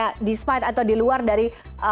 selainnya despite atau diluar dari